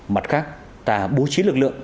mặt khác ta bố trí lực lượng